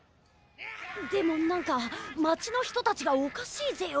でもなんかまちのひとたちがおかしいぜよ。